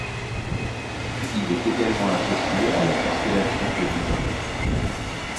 Il est également associé à la constellation de l'Hydre.